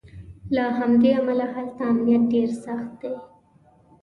له همدې امله هلته امنیت ډېر سخت دی.